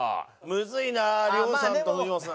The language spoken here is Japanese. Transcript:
むずいな亮さんと藤本さん。